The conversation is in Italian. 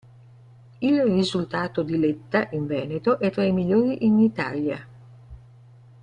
Il risultato di Letta in Veneto è tra i migliori in Italia.